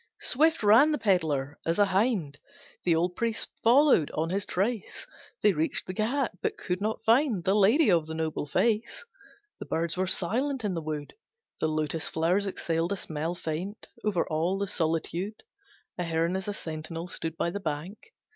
Swift ran the pedlar as a hind, The old priest followed on his trace, They reached the Ghat but could not find The lady of the noble face. The birds were silent in the wood, The lotus flowers exhaled a smell Faint, over all the solitude, A heron as a sentinel Stood by the bank.